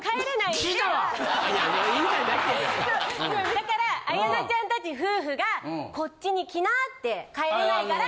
だから綾菜ちゃん達夫婦がこっちにきなって帰れないから。